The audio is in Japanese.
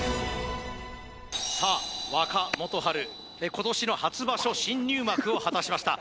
さあ若元春今年の初場所新入幕を果たしました